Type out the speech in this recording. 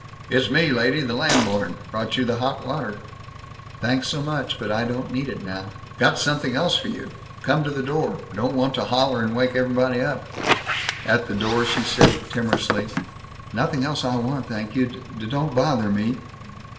"It's me, lady. The landlord. Brought you the hot water." "Thanks so much, but I don't need it now." "Got something else for you. Come to the door. Don't want to holler and wake ev'body up." At the door she said timorously, "Nothing else I want, thank you. D don't bother me."